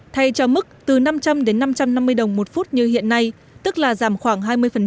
thay cho mức từ năm trăm linh đến năm trăm năm mươi đồng một phút như hiện nay tức là giảm khoảng hai mươi